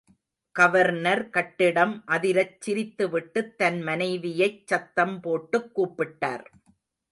Governor கட்டிடம் அதிரச் சிரித்துவிட்டுத் தன் மனைவியைச் சத்தம் போட்டுக் கூப்பிட்டார்.